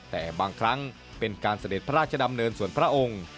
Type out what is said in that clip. แต่บางครั้งเป็นการเสด็จพระราชดำเนินส่วนพระองค์